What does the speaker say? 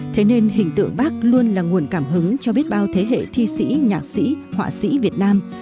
thế nên hình tượng bác luôn là nguồn cảm hứng cho biết bao thế hệ thi sĩ nhạc sĩ họa sĩ việt nam